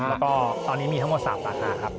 แล้วก็ตอนนี้มีทั้งหมด๓สาขาครับ